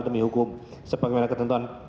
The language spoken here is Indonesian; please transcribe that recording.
demi hukum sebagaimana ketentuan dari pasal tiga qhap